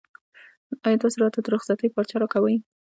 ایا تاسو راته د رخصتۍ پارچه راکوئ؟